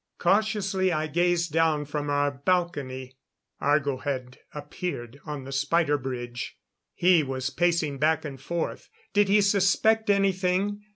Cautiously I gazed down from our balcony. Argo had appeared on the spider bridge; he was pacing back and forth. Did he suspect anything?